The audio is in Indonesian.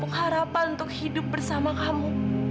untuk harapan untuk hidup bersama kamu